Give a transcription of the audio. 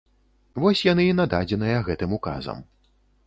Вось яны і нададзеныя гэтым указам.